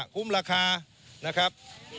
คุ้มราคานะครับ